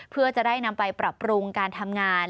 เพื่อจะได้นำไปปรับปรุงการทำงาน